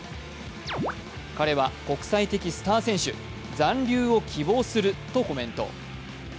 彼は国際的スター選手、残留を希望するとコメント。